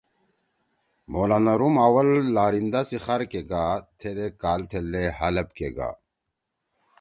مولانا روم آول لارندہ سی خار کےگا تھید اےکال تھیلدے حلب کے گا۔